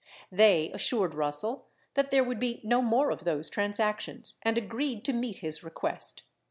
They assured Russell that there would be no more of those transactions and agreed to meet his request.